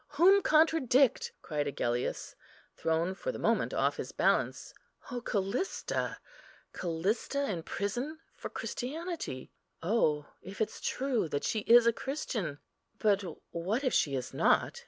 whom contradict?" cried Agellius, thrown for the moment off his balance. "O Callista! Callista in prison for Christianity! Oh if it's true that she is a Christian! but what if she is not?"